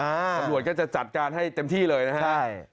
ตำรวจก็จะจัดการให้เต็มที่เลยนะฮะใช่